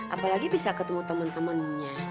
apalagi bisa ketemu temen temennya